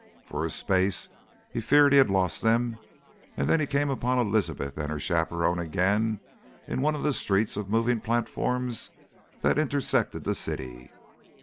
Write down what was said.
For a space he feared he had lost them, and then he came upon Elizabeth and her chaperone again in one of the streets of moving platforms that intersected the city.